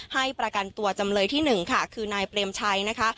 ให้ประกันตัวจำเลยที่๑ค่ะคือนายเปรมชัยนะคะ